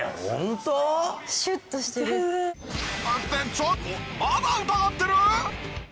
ちょっとまだ疑ってる！？